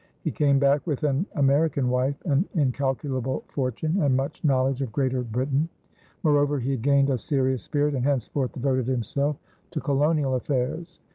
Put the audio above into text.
He came back with an American wife, an incalculable fortune, and much knowledge of Greater Britain; moreover he had gained a serious spirit, and henceforth devoted himself to Colonial affairs.